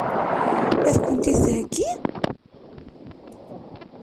Ad kent-t-id-theggi?